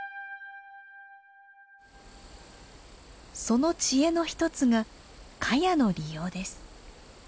その知恵の一つがカヤの利用です。